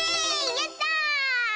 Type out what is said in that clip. やった！